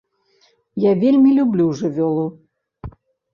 Я вельмі люблю жывёлу.